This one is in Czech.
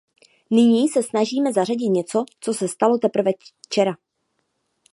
Nyní se snažíme zařadit něco, co se stalo teprve včera.